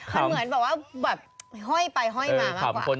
เหมือนอยู่ไปไห้มาความเข้าไป